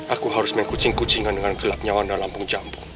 aku harus mengkucing kucingan dengan gelap nyawa dan lampung jambu